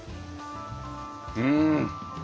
うん。